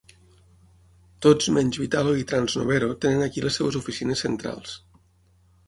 Tots menys Vitalo i Trans Novero tenen aquí les seves oficines centrals.